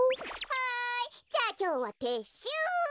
はいじゃあきょうはてっしゅう。